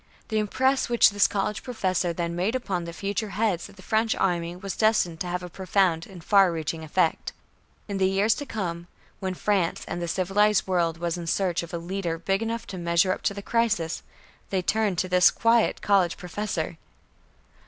The impress which this college professor then made upon the future heads of the French army was destined to have a profound and far reaching effect. In the years to come, when France and the civilized world was in search of a leader big enough to measure up to the crisis they turned to this quiet college professor!